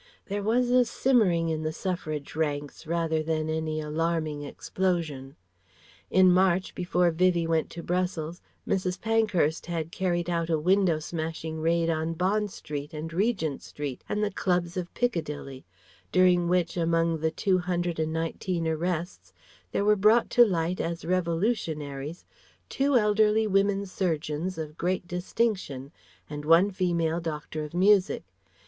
There was a simmering in the Suffragist ranks rather than any alarming explosion. In March, before Vivie went to Brussels, Mrs. Pankhurst had carried out a window smashing raid on Bond Street and Regent Street and the clubs of Piccadilly, during which among the two hundred and nineteen arrests there were brought to light as "revolutionaries" two elderly women surgeons of great distinction and one female Doctor of Music.